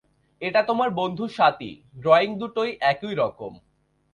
এটা তোমার বন্ধু স্বাতী ড্রয়িং দুটোই একই রকম।